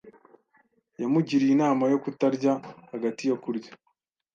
Yamugiriye inama yo kutarya hagati yo kurya.